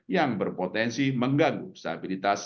yang berpotensi mengganggu stabilitas